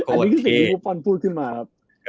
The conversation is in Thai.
อันนี้คือสิ่งที่บุฟฟอลพูดขึ้นมาครับ